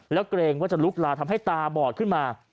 แล้วเกรงว่าจะลุกลาทำให้ตาบอดขึ้นมา